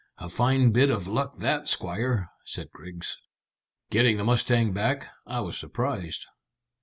"A fine bit of luck that, squire," said Griggs, "getting the mustang back. I was surprised."